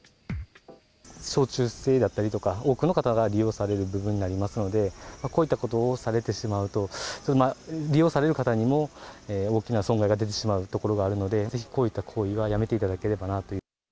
小中生だったりとか、多くの方が利用される部分になりますので、こういったことをされてしまうと、利用される方にも大きな損害が出てしまうところがあるので、ぜひこういった行為はやめていただければなと。